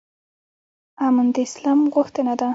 امن د اسلام غوښتنه ده